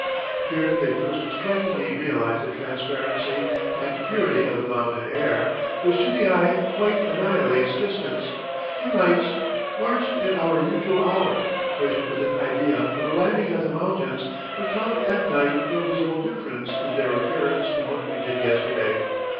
Here they first strikingly realized the transparency and purity of the mountain air, which to the eye quite annihilates distance. He writes: "Marched at our usual hour, pushed with an idea of arriving at the mountains, but found at night no visible difference in their appearance from what we did yesterday."